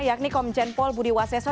yakni komjen pol budi waseso